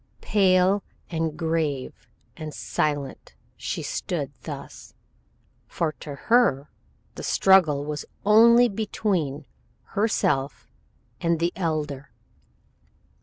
Pale and grave and silent she stood thus, for to her the struggle was only between herself and the Elder.